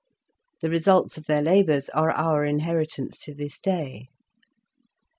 The results of their labours are our inheritance to this day.